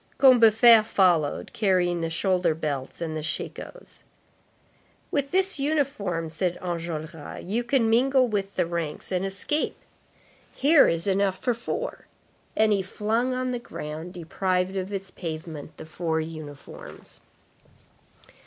Combeferre followed, carrying the shoulder belts and the shakos. "With this uniform," said Enjolras, "you can mingle with the ranks and escape; here is enough for four." And he flung on the ground, deprived of its pavement, the four uniforms.